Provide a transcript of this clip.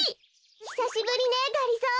ひさしぶりねがりぞー。